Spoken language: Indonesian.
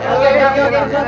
ya udah bang